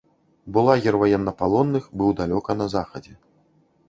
Бо лагер ваеннапалонных быў далёка на захадзе.